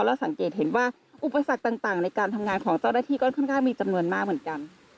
แล้วสังเกตเห็นว่าอุปสรรคต่างในการทำงานของเจ้าหน้าที่ก็ค่อนข้างมีจำนวนมากเหมือนกัน